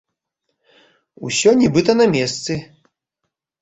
Усё нібыта на месцы.